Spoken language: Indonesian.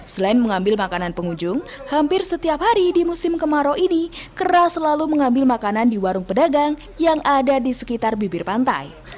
selain mengambil makanan pengunjung hampir setiap hari di musim kemarau ini kera selalu mengambil makanan di warung pedagang yang ada di sekitar bibir pantai